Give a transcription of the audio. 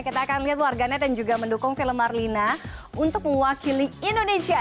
kita akan lihat warganet yang juga mendukung film marlina untuk mewakili indonesia